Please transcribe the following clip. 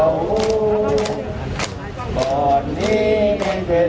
ตายไว้ถึงเรือนเรือนแห่งเขา